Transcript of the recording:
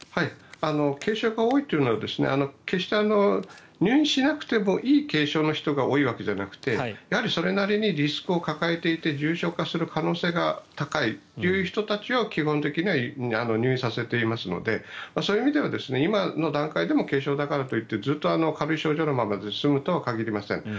軽症が多いというのは決して入院しなくてもいい軽症の人が多いわけじゃなくてそれなりにリスクを抱えていて重症化する可能性が高いという人たちは基本的には入院させていますのでそういう意味では今の段階でも軽症だからといって軽い症状のままで済むとは限りません。